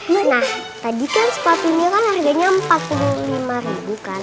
nah tadi kan sepatu ini kan harganya empat puluh lima ribu kan